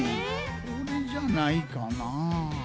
これじゃないかな。